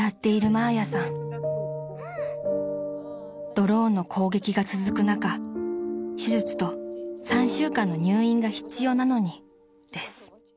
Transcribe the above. ［ドローンの攻撃が続く中手術と３週間の入院が必要なのにです］